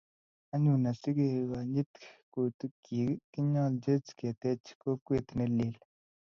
anyun, asikekonyit kweutikchich, kinyolchech keteech kokwet neleel